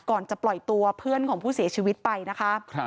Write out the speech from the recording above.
ก่อนจะปล่อยตัวเพื่อนของผู้เสียชีวิตไปนะคะ